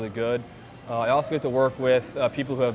saya juga harus bekerja dengan orang yang pernah menjadi